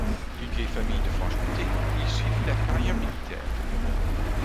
D'une vielle famille de Franche-Comté, il suivit la carrière militaire.